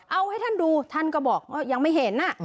เอาให้ท่านดูท่านก็บอกว่ายังไม่เห็น